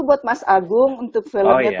buat mas agung untuk filmnya tuh